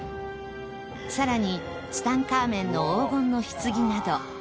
さらにツタンカーメンの黄金の棺など